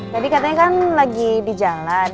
tadi katanya kan lagi di jalan